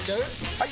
・はい！